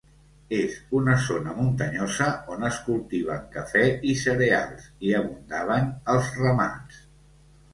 És una zona muntanyosa on es cultiven cafè i cereals, i abundaven els ramats.